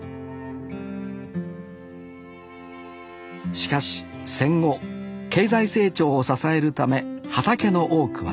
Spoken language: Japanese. しかし戦後経済成長を支えるため畑の多くはセメント鉱山に。